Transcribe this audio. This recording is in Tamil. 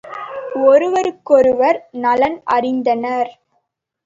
ஒருவருக்கொருவர் நலன் அறிந்தனர்.